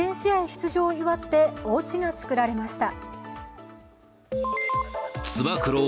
出場を祝っておうちが作られました。